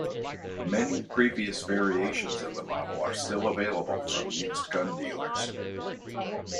Many previous variations of the model are still available from used gun dealers.